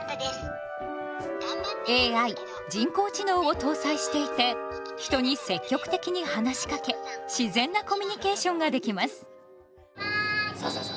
ＡＩ・人工知能を搭載していて人に積極的に話しかけ自然なコミュニケーションができます。